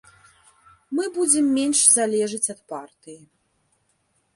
Мы будзем менш залежыць ад партыі.